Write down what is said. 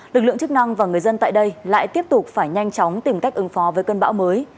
lực lượng chức năng và người dân tại đây lại tiếp tục phải nhanh chóng tìm cách ứng phó với cơn bão mới